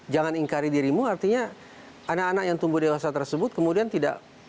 jangan ingkari dirimu artinya anak anak yang tumbuh dewasa tersebut kemudian tidak